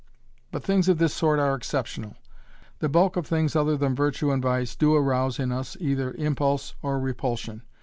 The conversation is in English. But things of this sort are exceptional. The bulk of things other than virtue and vice do arouse in us either impulse or repulsion.